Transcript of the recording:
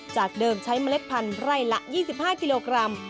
จากเดิมใช้เมล็ดพันธุ์ไร่ละ๒๕กิโลกรัม